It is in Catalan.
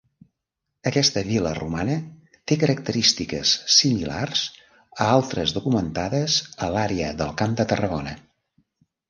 Aquesta vila romana té característiques similars a altres documentades a l’àrea del camp de Tarragona.